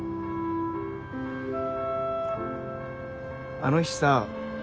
あの日さ。